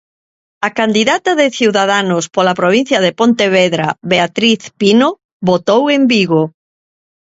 A candidata de Ciudadanos pola provincia de Pontevedra, Beatriz Pino, votou en Vigo.